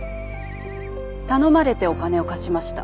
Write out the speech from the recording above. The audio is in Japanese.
頼まれてお金を貸しました。